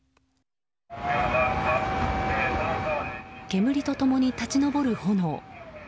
煙とともに立ち上る炎。